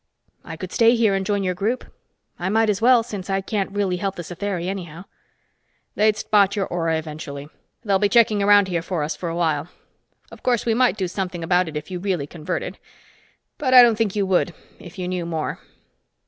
"I could stay here and join your group. I might as well, since I can't really help the Satheri anyhow." "They'd spot your aura eventually. They'll be checking around here for us for a while. Of course, we might do something about it, if you really converted. But I don't think you would, if you knew more."